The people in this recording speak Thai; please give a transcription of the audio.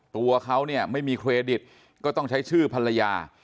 ตัวเขาเนี่ยไม่มีเครดิตก็ต้องใช้ชื่อภรรยา